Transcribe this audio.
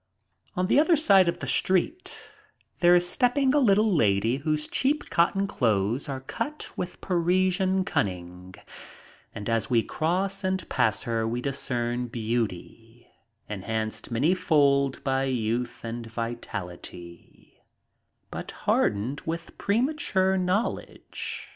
On the other side of the street there is stepping a little lady whose cheap cotton clothes are cut with Parisian cun ning, and as we cross and pass her we discern beauty, en hanced many fold by youth and vitality, but hardened with premature knowledge.